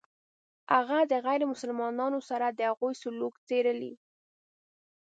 هغه د غیر مسلمانانو سره د هغوی سلوک څېړلی.